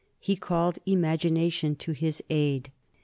He called imagination to his aid.